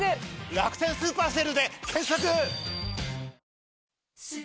「楽天スーパーＳＡＬＥ」で検索！